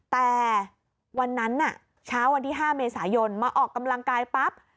แต่วันนั้นเช้าวันที่๕เมษายนมาออกกำลังกายปั๊บ